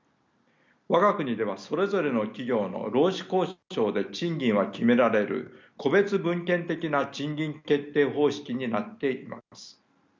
我が国ではそれぞれの企業の労使交渉で賃金は決められる個別分権的な賃金決定方式になっています。